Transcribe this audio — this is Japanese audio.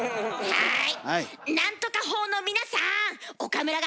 はい。